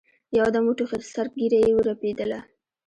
يودم وټوخېد سره ږيره يې ورپېدله.